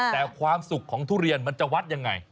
แต่ความสุขของทุเรียนมันจะวัดยังไง